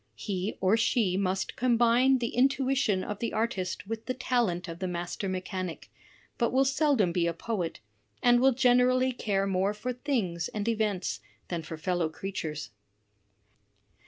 He or she must combine the intuition of the artist with the talent of the master mechanic, but will seldom be a poet, and will generally care more for things and events than for fellow creatures.''